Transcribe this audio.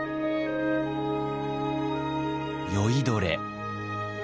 酔いどれ。